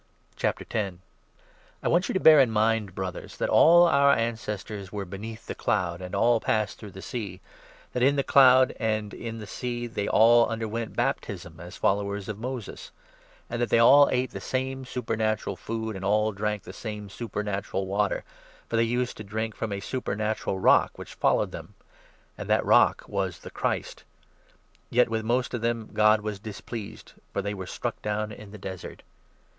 A warn in ^ want you to bear in mind, Brothers, that all i from our ancestors were beneath the cloud, and all History, passed through the sea ; that in the cloud and in 2 the sea they all underwent baptism as followers of Moses ; and 3 that they all ate the same supernatural food, and all drank the 4 same supernatural water, for they used to drink from a super natural rock which followed them, and that rock was the Christ. Yet with most of them God was displeased ; for they were 5 ' struck down in the desert.'